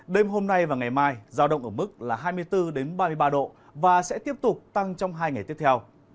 đêm hôm nay và ngày mai giao động ở mức là hai mươi bốn ba mươi ba độ và sẽ tiếp tục tăng trong hai ngày tiếp theo